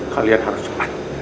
kalian harus cepat